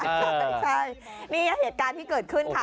ใช่นี่เหตุการณ์ที่เกิดขึ้นค่ะ